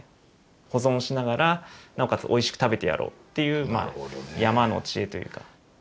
保存しながらなおかつおいしく食べてやろうっていう山の知恵というか。